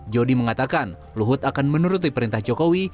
jody mengatakan luhut akan menuruti perintah jokowi